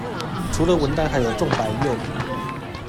除了文旦還有種白柚